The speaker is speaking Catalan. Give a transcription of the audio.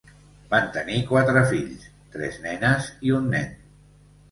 Van tenir quatre fills, tres nenes i un nen.